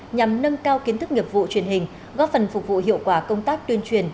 nhằm nâng cao kiến thức nghiệp vụ truyền hình góp phần phục vụ hiệu quả công tác tuyên truyền